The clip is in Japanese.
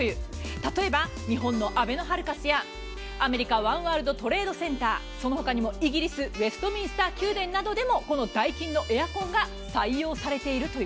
例えば、日本のあべのハルカスやアメリカ、ワン・ワールド・トレードセンターそのほかにもイギリスウェストミンスター宮殿などでもこのダイキンのエアコンが採用されているという。